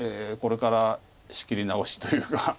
これから仕切り直しというか。